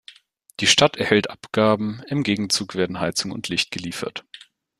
Die Stadt erhält Abgaben, im Gegenzug werden Heizung und Licht geliefert.